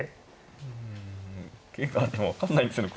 うん受けがでも分かんないですよね。